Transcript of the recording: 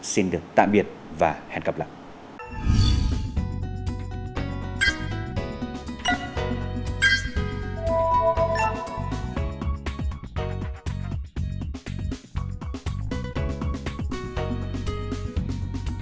xin tạm biệt và hẹn gặp lại